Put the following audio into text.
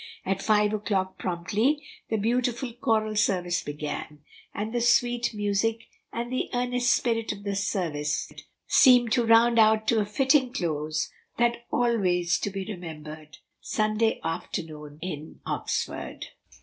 At five o'clock promptly the beautiful choral service began, and the sweet music and the earnest spirit of the service seemed to round out to a fitting close that always to be remembered Sunday afternoon in Oxford.